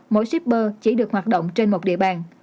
mỗi shipper chỉ được hoạt động trên một địa bàn